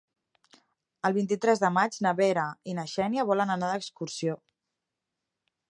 El vint-i-tres de maig na Vera i na Xènia volen anar d'excursió.